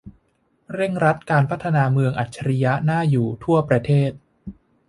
เร่งรัดการพัฒนาเมืองอัจฉริยะน่าอยู่ทั่วประเทศ